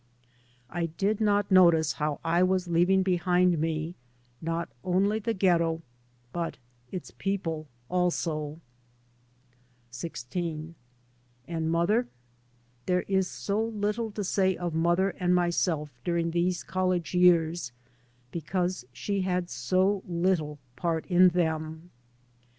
I did not notice liow I was leaving behind me not only the ghetto, but its people also. 3 by Google XVI AND mother? There is so little to say of mother and myself during these college years because she had so little part in them.